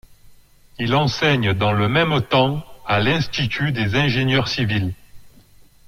Il enseigne dans le même temps à l'institut des ingénieurs civils.